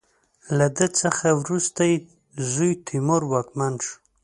له ده څخه وروسته یې زوی تیمور واکمن شو.